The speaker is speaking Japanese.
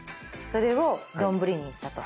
それを丼にしたと。